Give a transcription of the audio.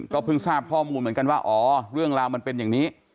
เพิ่งทราบข้อมูลเหมือนกันว่าอ๋อเรื่องราวมันเป็นอย่างนี้